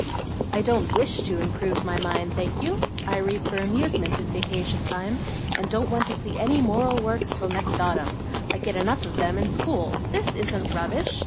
"I don't WISH to improve my mind, thank you: I read for amusement in vacation time, and don't want to see any moral works till next autumn. I get enough of them in school. This isn't 'rubbish'!